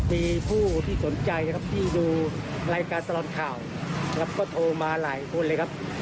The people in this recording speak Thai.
มีผู้ที่สนใจนะครับที่ดูรายการตลอดข่าวนะครับก็โทรมาหลายคนเลยครับ